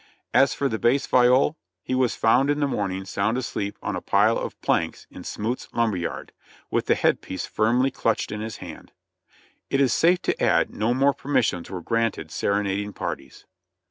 As for the bass viol, he was found in the morning sound asleep on a pile of planks in Smoot's lumber yard, with the head piece firmly clutched in his hand. It is safe to add no more permissions were granted serenading parties.